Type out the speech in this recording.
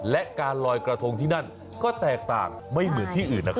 และการลอยกระทงที่นั่นก็แตกต่างไม่เหมือนที่อื่น